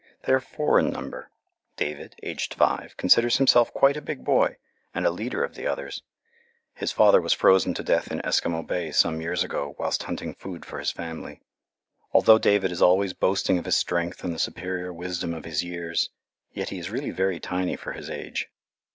They are four in number. David, aged five, considers himself quite a big boy, and a leader of the others. His father was frozen to death in Eskimo Bay some years ago whilst hunting food for his family. Although David is always boasting of his strength and the superior wisdom of his years, yet he is really very tiny for his age.